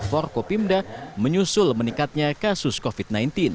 forkopimda menyusul meningkatnya kasus covid sembilan belas